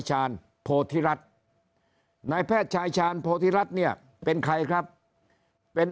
ชาญโพธิรัฐนายแพทย์ชายชาญโพธิรัฐเนี่ยเป็นใครครับเป็น